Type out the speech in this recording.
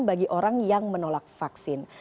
bagi orang yang menolak vaksin